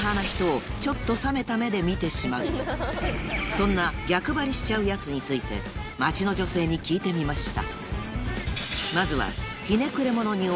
そんな逆張りしちゃうヤツについて街の女性に聞いてみました